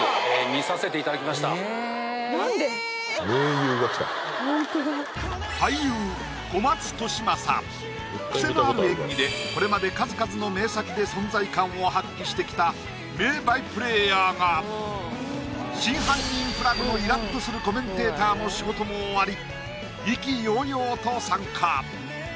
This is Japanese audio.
見させていただきました名優が来たホントだクセのある演技でこれまで数々の名作で存在感を発揮してきた名バイプレイヤーが「真犯人フラグ」のイラっとするコメンテーターの仕事も終わり意気揚々と参加